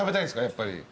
やっぱり。